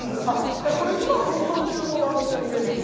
じゃあこれ今放送中の番組が見れるってことですか？